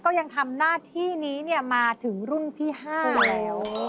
ยังทำหน้าที่นี้มาถึงรุ่นที่๕แล้ว